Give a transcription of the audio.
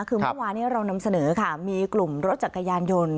คือเมื่อวานี้เรานำเสนอค่ะมีกลุ่มรถจักรยานยนต์